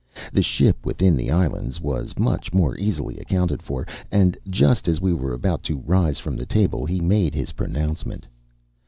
The ship within the islands was much more easily accounted for; and just as we were about to rise from table he made his pronouncement.